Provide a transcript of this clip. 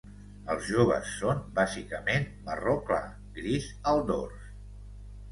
Els joves són bàsicament marró clar, gris al dors.